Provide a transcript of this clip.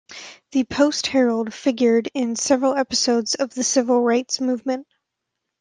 The "Post-Herald" figured in several episodes of the Civil Rights Movement.